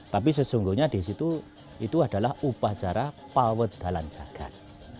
tapi sesungguhnya di situ itu adalah upacara pawedalan jagad